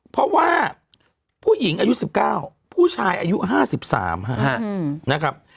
เพราะว่าผู้หญิงอายุ๑๙ผู้ชายอายุ๕๓นะครับ